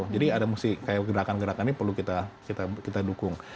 jadi ada musti kayak gerakan gerakan ini perlu kita dukung